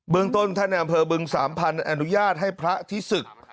เมืองต้นท่านในอำเภอบึงสามพันธุ์อนุญาตให้พระที่ศึก